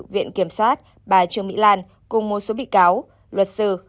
viện kiểm soát và trường mỹ lan cùng một số bị cáo luật sư